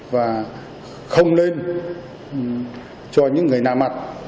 và không nên cho những người nà mặt